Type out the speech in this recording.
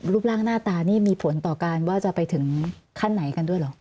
รูปร่างหน้าตานี่มีผลต่อการว่าจะไปถึงขั้นไหนกันด้วยเหรอ